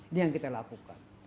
ini yang kita lakukan